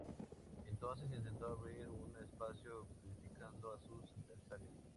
Entonces, intentó abrir un espacio criticando a sus adversarios.